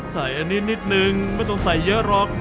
ใส่อันนี้นิดนึงไม่ต้องใส่เยอะหรอก